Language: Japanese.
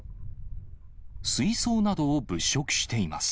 水槽などを物色しています。